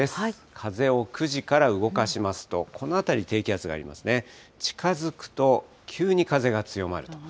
風を９時から動かしますと、この辺り、低気圧がありますね、近づくと急に風が強まると。